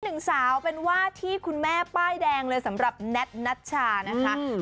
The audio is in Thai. หนึ่งสาวเป็นว่าที่คุณแม่ป้ายแดงเลยสำหรับแท็ตนัชชานะคะ